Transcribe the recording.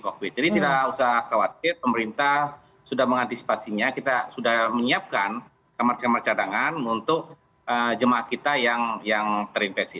jadi tidak usah khawatir pemerintah sudah mengantisipasinya kita sudah menyiapkan kamar kamar cadangan untuk jemaah kita yang terinfeksi